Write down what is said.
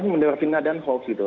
mendapat fitnah dan hoax gitu